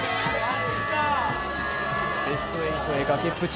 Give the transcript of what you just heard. ベスト８へ崖っぷち。